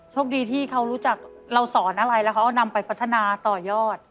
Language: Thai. คดีที่เขารู้จักเราสอนอะไรแล้วเขาเอานำไปพัฒนาต่อยอด